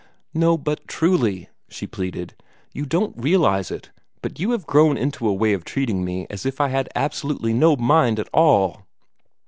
"No; but truly," she pleaded, "you don't realize it, but you have grown into a way of treating me as if I had absolutely no mind at all."